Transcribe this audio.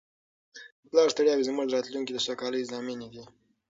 د پلار ستړیاوې زموږ د راتلونکي د سوکالۍ ضامنې دي.